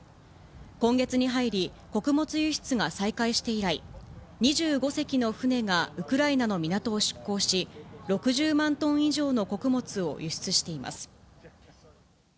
今月に入り、穀物輸出が再開して以来、２５隻の船がウクライナの港を出港し、６０万トン以上の穀物を輸出しています。